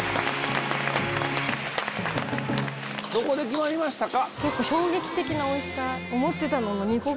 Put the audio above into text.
どこで決まりましたか？